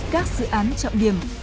các dự án trọng điểm